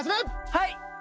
はい！